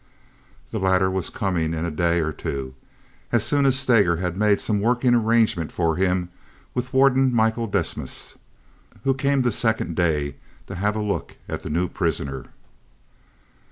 The latter was coming in a day or two, as soon as Steger had made some working arrangement for him with Warden Michael Desmas who came the second day to have a look at the new prisoner.